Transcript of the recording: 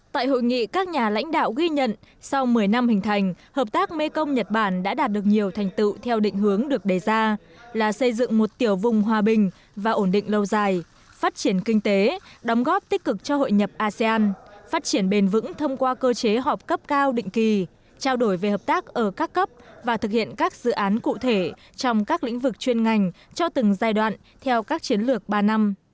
tại hội nghị các nhà lãnh đạo ghi nhận sau một mươi năm hình thành hợp tác mekong nhật bản đã đạt được nhiều thành tựu theo định hướng được đề ra là xây dựng một tiểu vùng hòa bình và ổn định lâu dài phát triển kinh tế đóng góp tích cực cho hội nhập asean phát triển bền vững thông qua cơ chế họp cấp cao định kỳ trao đổi về hợp tác ở các cấp và thực hiện các dự án cụ thể trong các lĩnh vực chuyên ngành cho từng giai đoạn theo các chiến lược ba năm